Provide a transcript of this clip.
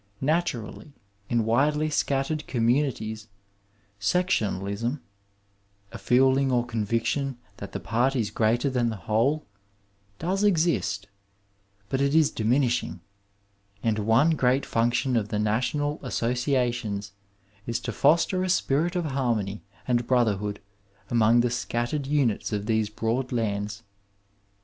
Naturally, in widely scattered communities sectionalism— a feeling or conviction that the part is greater than the whole — does exist, but it is diminishing, and one great function of the national associations is to foster a spirit of harmony and brotherhood among the scattered units of these broad lands.